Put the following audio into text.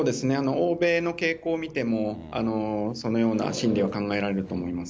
欧米の傾向を見ても、そのような心理は考えられると思います。